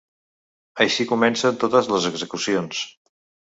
Així comencen totes les execucions.